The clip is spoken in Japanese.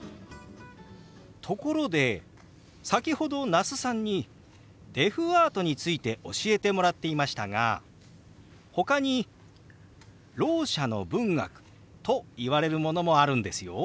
ところで先ほど那須さんにデフアートについて教えてもらっていましたがほかにろう者の文学といわれるものもあるんですよ。